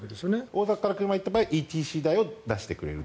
大阪から行った場合車でＥＴＣ代を出してくれる。